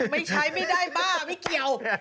ไม่ใช้ไม่ได้บ้าไม่เกี่ยว